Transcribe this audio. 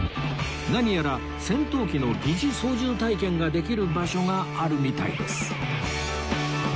何やら戦闘機の疑似操縦体験ができる場所があるみたいです